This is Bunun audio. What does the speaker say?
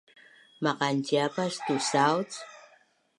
Maqanciapas tusauc?